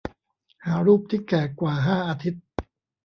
หารูปที่แก่กว่าห้าอาทิตย์